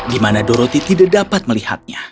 di mana doroth tidak dapat melihatnya